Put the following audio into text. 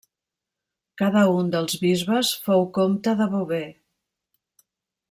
Cada un dels bisbes fou comte de Beauvais.